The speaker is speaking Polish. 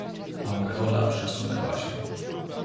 Aureola przesunęła się.